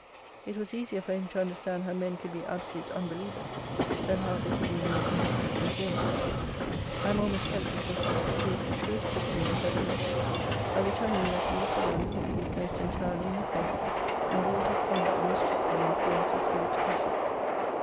It was easier for him to understand how men could be absolute unbelievers, than how they could be mere indifferent conformists. I am almost tempted to assert that he was the truest Christian that ever lived, — by which I mean that he was the one who believed most entirely in the faith, and ruled his conduct most strictly in accordance with its precepts.